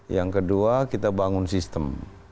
yang kedua kita bangun sistem